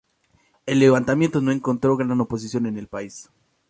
El levantamiento no encontró gran oposición en el país.